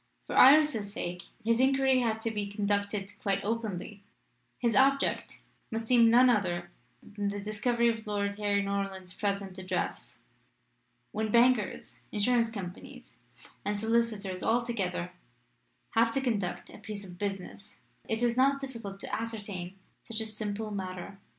For Iris's sake his inquiry had to be conducted quite openly. His object must seem none other than the discovery of Lady Harry Norland's present address. When bankers, insurance companies, and solicitors altogether have to conduct a piece of business it is not difficult to ascertain such a simple matter.